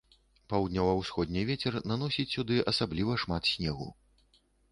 Паўднёва-ўсходні вецер наносіць сюды асабліва шмат снегу.